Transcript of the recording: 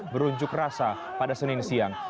berunjuk rasa pada senin siang